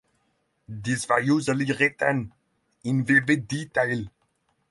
These were usually written in vivid detail.